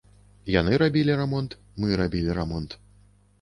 Яны рабілі рамонт, мы рабілі рамонт.